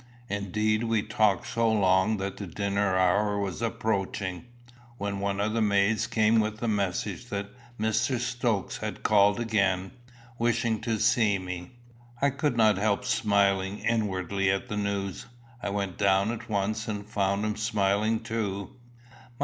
Indeed we talked so long that the dinner hour was approaching, when one of the maids came with the message that Mr. Stokes had called again, wishing to see me. I could not help smiling inwardly at the news. I went down at once, and found him smiling too.